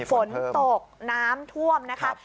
ฝนตกน้ำท่วมครับ